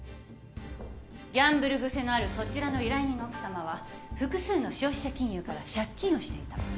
ギャンブル癖のあるそちらの依頼人の奥さまは複数の消費者金融から借金をしていた。